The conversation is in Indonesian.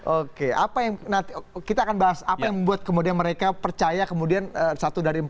oke apa yang nanti kita akan bahas apa yang membuat kemudian mereka percaya kemudian satu dari empat